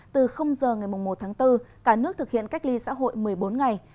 từ giờ ngày một tháng bốn cả nước thực hiện cách ly xã hội một mươi bốn ngày